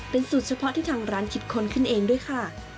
เป็นสูตรเฉพาะที่ทางร้านคิดค้นขึ้นเองด้วยค่ะ